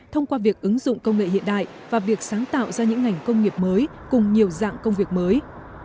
thông qua việc ứng dụng công nghệ hiện đại và việc sáng tạo ra những ngành công nghiệp mới cùng nhiều dạng công việc mới